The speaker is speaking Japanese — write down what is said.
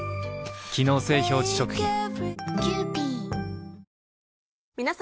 機能性表示食品皆様。